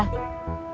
kita main catur aja